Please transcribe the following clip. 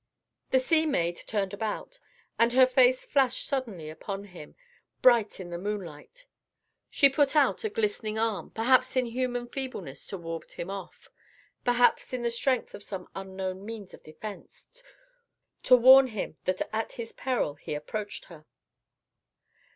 The sea maid turned about, and her face flashed suddenly upon him, bright in the moonlight. She put out a glistening arm, perhaps in human feebleness to ward him off, perhaps, in the strength of some unknown means of defence, to warn him that at his peril he approached her.